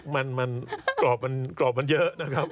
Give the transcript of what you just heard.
มันกรอบมันเยอะนะครับ